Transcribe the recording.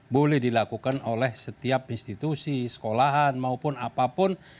boleh dilakukan oleh setiap institusi sekolahan maupun apapun